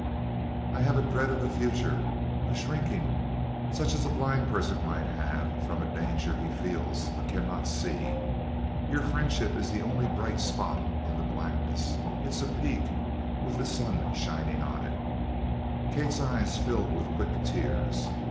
"I have a dread of the future a shrinking such as a blind person might have from a danger he feels but cannot see. Your friendship is the only bright spot in the blackness it's a peak, with the sun shining on it!" Kate's eyes filled with quick tears.